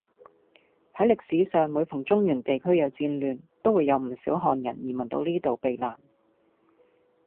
喺歷史上每逢中原地區有戰亂，都會有唔少漢人移民到呢度避難